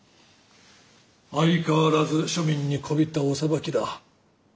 相変わらず庶民にこびたお裁きだ。